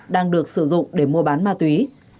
đang được sử dụng để mua bán ma túy